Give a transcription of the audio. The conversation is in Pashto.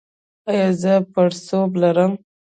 ایا زه پړسوب لرم؟